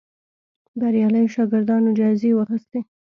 بریالیو شاګردانو جایزې واخیستې